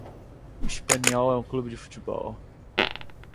Espanyol é um clube de futebol.